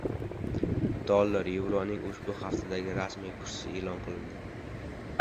Dollar va yevroning ushbu haftadagi rasmiy kursi e’lon qilindi